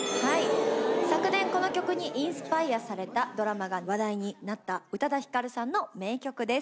昨年この曲にインスパイアされたドラマが話題になった宇多田ヒカルさんの名曲です。